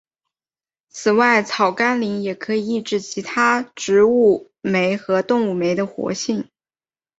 此外草甘膦也可以抑制其他植物酶和动物酶的活性。